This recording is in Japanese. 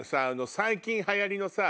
最近流行りのさ